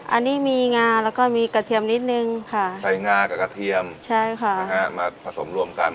อันนี้มีงาแล้วก็มีกระเทียมนิดนึงค่ะใส่งากับกระเทียมใช่ค่ะนะฮะมาผสมรวมกัน